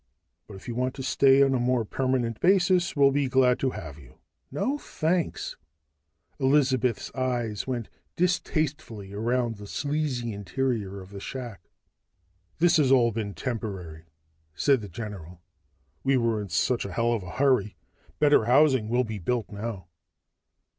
But if you want to stay on a more permanent basis, we'll be glad to have you." "No, thanks!" Elizabeth's eyes went distastefully around the sleazy interior of the shack. "This has all been temporary," said the general. "We were in such a hell of a hurry. Better housing will be built now."